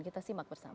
kita simak bersama